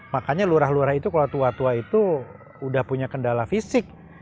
makanya lurah lurah itu kalau tua tua itu udah punya kendala fisik